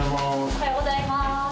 おはようございます